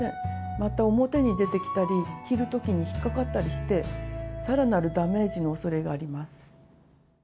また表に出てきたり着る時に引っ掛かったりしてさらなるダメージのおそれがあります。